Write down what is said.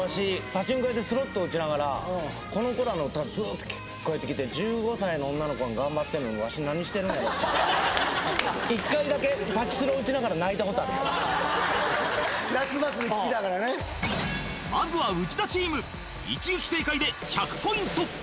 パチンコ屋でスロット打ちながらこの子らの歌ずーっと聞こえてきて１５歳の女の子が頑張ってるのにわし何してるんやろって一回だけパチスロ打ちながら泣いたことある「夏祭り」聴きながらねまずは内田チーム１撃正解で１００ポイント